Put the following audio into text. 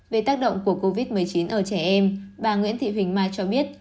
về tác động của covid một mươi chín ở trẻ em bà nguyễn thị huỳnh mai cho biết